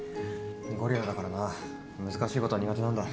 ゴリラだからな難しいことは苦手なんだ。